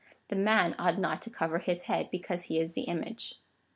The man ought not to cover his head, because he is the image.